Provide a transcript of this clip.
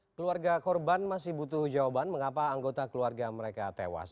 keluarga korban masih butuh jawaban mengapa anggota keluarga mereka tewas